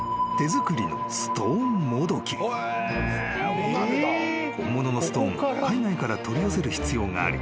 ［本物のストーンは海外から取り寄せる必要があり］